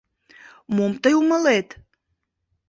Мом тый умылет?